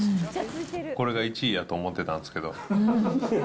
これが１位やと思ってたんですけど。